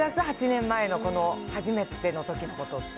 ８年前の初めてのときのことって。